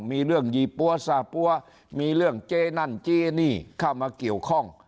มีเรื่องยี่ปั้วสาปั๊วมีเรื่องเจ๊นั่นเจนี่เข้ามาเกี่ยวข้อง